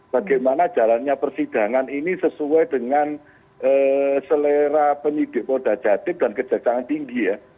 bagaimana jalannya persidangan ini sesuai dengan selera penidik kodajadip dan kejajaran tinggi ya